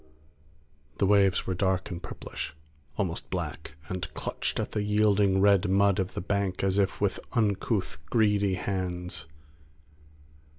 The waves were dark and purplish, almost black, and clutched at the yielding red mud of the bank as if with uncouth, greedy hands.